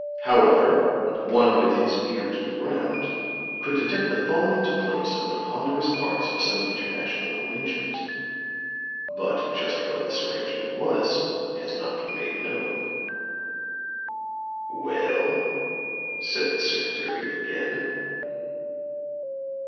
However, one with his ear to the ground could detect the falling into place of the ponderous parts of some international arrangement; but just what this arrangement was has not been made known." "Well," said the secretary again.